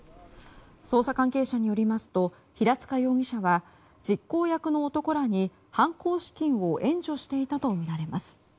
捜査関係者によりますと平塚容疑者は実行役の男らに犯行資金を援助していたとみられます。